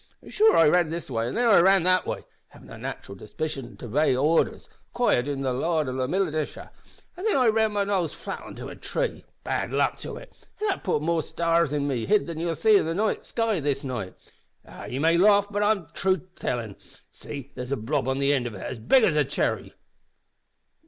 an' sure I ran this way an' then I ran that way havin' a nat'ral disposition to obey orders, acquired in the Louth Militia an' then I ran my nose flat on a tree bad luck to it! that putt more stars in me hid than you'll see in the sky this night. Ah! ye may laugh, but it's truth I'm tellin'. See, there's a blob on the ind of it as big as a chirry!"